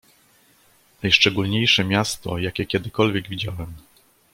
"Najszczególniejsze miasto, jakie kiedykolwiek widziałem!"